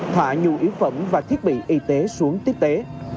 thả nhu yếu phẩm và thiết bị y tế xuống tiếp tế